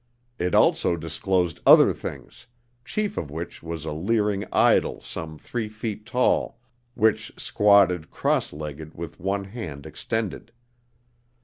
It also disclosed other things, chief of which was a leering idol some three feet tall which squatted, cross legged, with one hand extended.